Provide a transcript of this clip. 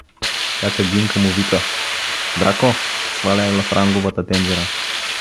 Кака Гинка му вика: „Драко, сваляй Алафранговата тенджера!